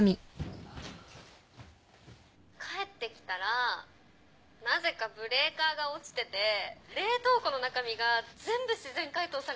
帰ってきたらなぜかブレーカーが落ちてて冷凍庫の中身が全部自然解凍されちゃってたんですよ。